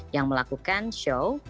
yang melakukan show